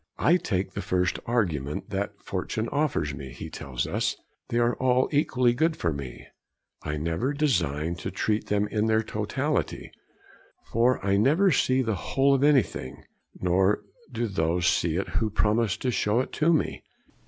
'I take the first argument that fortune offers me,' he tells us; 'they are all equally good for me; I never design to treat them in their totality, for I never see the whole of anything, nor do those see it who promise to show it to me....